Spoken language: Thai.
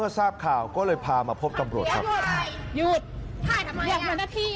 อืมอืมอืมอืมอืม